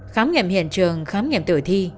khám nghiệm hiện trường khám nghiệm tử thi